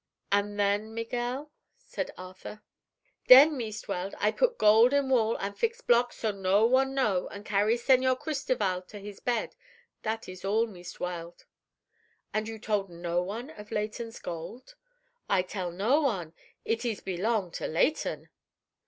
"And then, Miguel?" said Arthur. "Then, Meest Weld, I put gold in wall an' fix block so no one know an' carry Señor Cristoval to his bed. That ees all, Meest Weld." "And you told no one of Leighton's gold?" "I tell no one. It ees belong to Leighton."